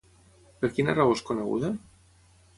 Per quina raó és coneguda?